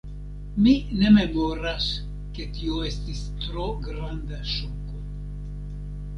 Mi ne memoras, ke tio estis tro granda ŝoko.